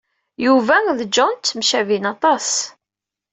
Yuba d John ttemcabin aṭas.